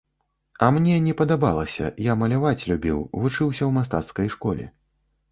А мне не падабалася, я маляваць любіў, вучыўся ў мастацкай школе.